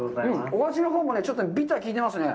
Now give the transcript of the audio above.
お味のほうもちょっとビターが効いてますね。